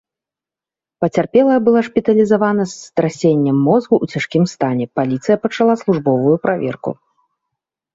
Пацярпелая была шпіталізавана з страсеннем мозгу ў цяжкім стане, паліцыя пачала службовую праверку.